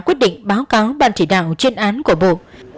quyết định báo cáo ban chỉ đạo chuyên án của bộ